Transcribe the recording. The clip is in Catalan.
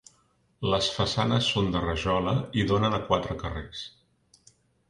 Les façanes són de rajola i donen a quatre carrers.